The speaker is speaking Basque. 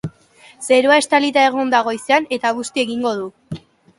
Zerua estalita egongo da goizean eta busti egingo du.